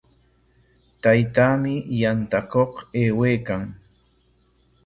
Taytaami yantakuq aywaykan.